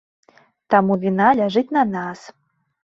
Таму віна ляжыць на нас.